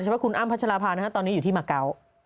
เฉพาะคุณอ้ำพัชรภานะครับตอนนี้อยู่ที่มะเกา